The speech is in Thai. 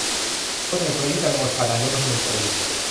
พลเอก ประยุทธ์ จันทร์โอชา นายกรัฐมนตรี